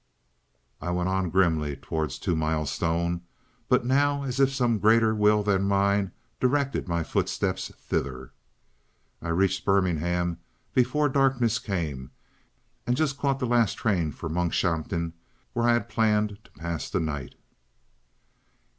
I went on grimly toward Two Mile Stone, but now as if some greater will than mine directed my footsteps thither. I reached Birmingham before darkness came, and just caught the last train for Monkshampton, where I had planned to pass the night.